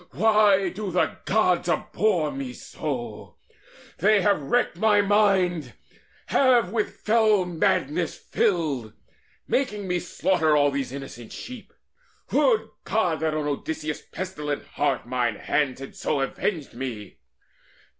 why do the Gods abhor me so? They have wrecked my mind, have with fell madness filled, Making me slaughter all these innocent sheep! Would God that on Odysseus' pestilent heart Mine hands had so avenged me!